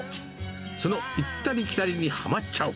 その行ったり来たりにはまっちゃう。